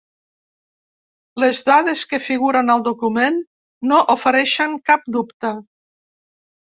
Les dades que figuren al document no ofereixen cap dubte.